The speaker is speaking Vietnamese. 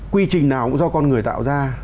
quy trình nào cũng do con người tạo ra